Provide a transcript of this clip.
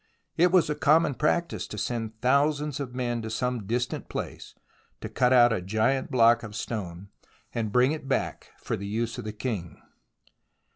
It was a common practice to send thousands of men to some distant place, to cut out a giant block of stone, and bring it back for the use of the king.